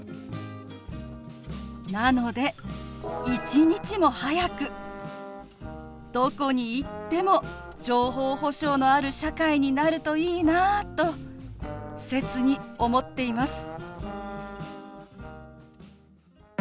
なので一日も早くどこに行っても情報保障のある社会になるといいなあと切に思っています。